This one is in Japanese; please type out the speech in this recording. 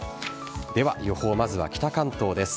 では、予報まずは北関東です。